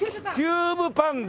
キューブパンだ！